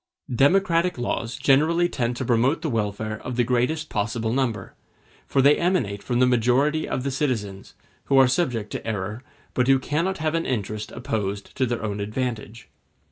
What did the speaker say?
Democratic laws generally tend to promote the welfare of the greatest possible number; for they emanate from the majority of the citizens, who are subject to error, but who cannot have an interest opposed to their own advantage.